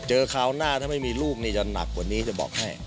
คราวหน้าถ้าไม่มีลูกนี่จะหนักกว่านี้จะบอกให้